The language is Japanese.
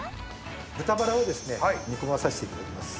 豚バラをですね煮込まさせていただきます。